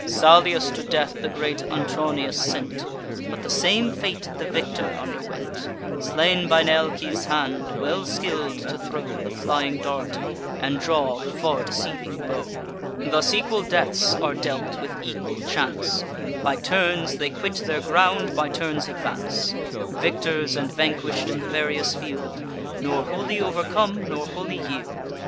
Salius to death the great Antronius sent: But the same fate the victor underwent, Slain by Nealces' hand, well skill'd to throw The flying dart, and draw the far deceiving bow. Thus equal deaths are dealt with equal chance; By turns they quit their ground, by turns advance: Victors and vanquish'd, in the various field, Nor wholly overcome, nor wholly yield.